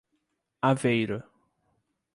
Aveiro